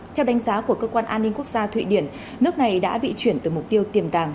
theo đánh giá của cơ quan an ninh quốc gia thụy điển nước này đã bị chuyển từ mục tiêu tiềm tàng